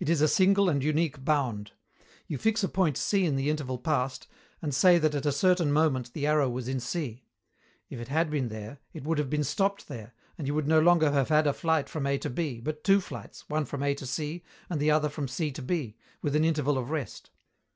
It is a single and unique bound. You fix a point C in the interval passed, and say that at a certain moment the arrow was in C. If it had been there, it would have been stopped there, and you would no longer have had a flight from A to B, but two flights, one from A to C and the other from C to B, with an interval of rest.